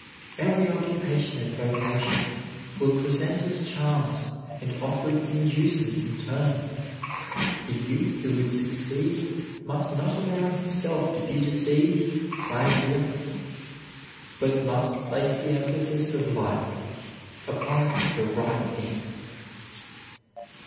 Every occupation and vocation will present its charms and offer its inducements in turn. The youth who would succeed must not allow himself to be deceived by appearance, but must place the emphasis of life upon the right thing.